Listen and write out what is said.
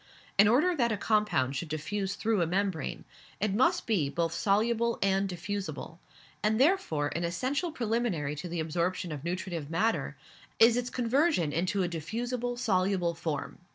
In order that a compound should diffuse through a membrane, it must be both soluble and diffusible, and therefore an essential preliminary to the absorption of nutritive matter is its conversion into a diffusible soluble form.